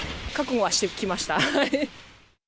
覚悟はしてきました。